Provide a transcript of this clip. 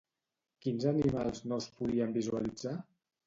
Quins animals no es podien visualitzar?